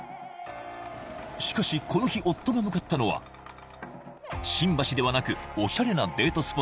しかしこの日夫が向かったのは新橋ではなくオシャレなデート